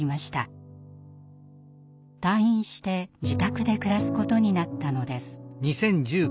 退院して自宅で暮らすことになったのです。